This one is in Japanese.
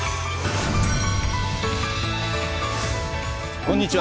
こんにちは。